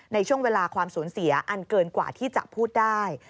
ในช่วงเวลาความสูญเสียอันเกินกว่าที่จะพูดได้